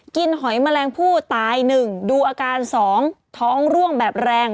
กินหอยแมลงผู้ตายหนึ่งดูอาการสองท้องร่วงแบบแรง